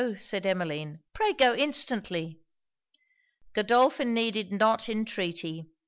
said Emmeline. 'Pray go instantly!' Godolphin needed not entreaty.